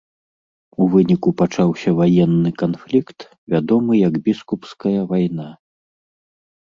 У выніку пачаўся ваенны канфлікт, вядомы як біскупская вайна.